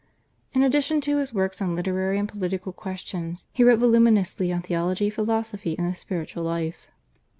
In addition to his works on literary and political questions he wrote voluminously on theology, philosophy, and the spiritual life.